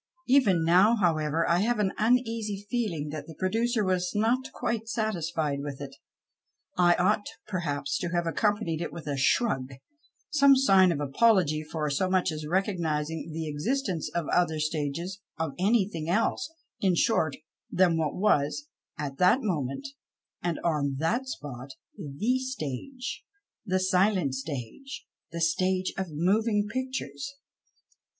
Even now, however, I have an uneasy feeling that the producer was not quite satisfied with it. I ought perhaps to have accom panied it with a shrug, some sign of apology for so much as recognizing the existence of " other " stages of anything else, in short, than what was, at that moment and on that spot, the stage, the " silent " stage, the stage of moving pictiirrs.